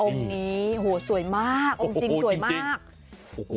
องค์นี้หัวสวยมากองค์จริงมาก